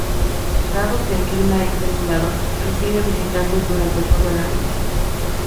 Dado que el clima es templado, recibe visitantes durante todo el año.